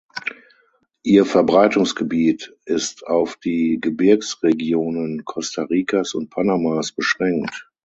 Ihr Verbreitungsgebiet ist auf die Gebirgsregionen Costa Ricas und Panamas beschränkt.